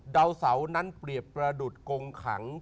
ดาวเสานั้นเปรียบประดุษกงขัง